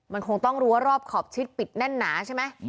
มันคงต้องรู้ว่ารอบขอบชิดปิดแน่นหนาใช่ไหม